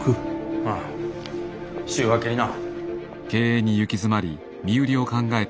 ああ週明けにな。